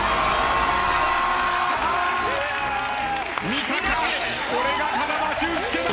見たかこれが風間俊介だ。